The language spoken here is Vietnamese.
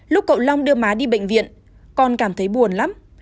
lúc cậu long đưa má đi bệnh viện con cảm thấy buồn lắm